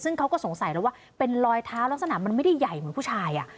ซึ่งเขาก็สงสัยแล้วว่าเป็นรอยเท้าลักษณะมันไม่ได้ใหญ่เหมือนผู้ชาย